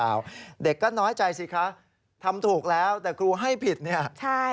แล้วก็อยากให้เรื่องนี้จบไปเพราะว่ามันกระทบกระเทือนทั้งจิตใจของคุณครู